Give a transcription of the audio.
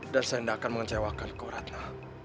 dan saya tidak akan mengecewakan kau ratna